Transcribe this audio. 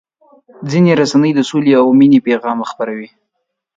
ځینې رسنۍ د سولې او مینې پیغام خپروي.